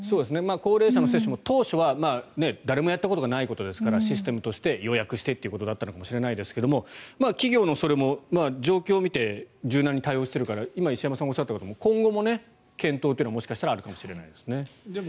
高齢者の接種も当初は誰もやったことがないことですからシステムとして予約してということだったのかもしれませんが企業のそれも状況を見て柔軟に対応しているから今、石山さんがおっしゃったことも今後、検討はもしかしたらあるかもしれないですね。